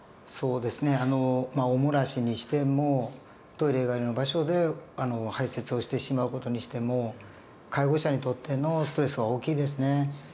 そうですねまあお漏らしにしてもトイレ以外の場所で排泄をしてしまう事にしても介護者にとってのストレスは大きいですね。